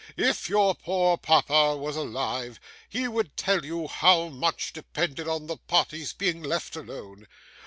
If your poor papa was alive, he would tell you how much depended on the parties being left alone.